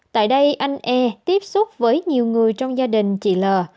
tại đây anh e tiếp xúc với nhiều người trong gia đình chị l